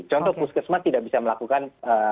contoh puskesmas tidak bisa melakukan